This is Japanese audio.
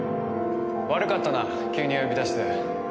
悪かったな急に呼び出して。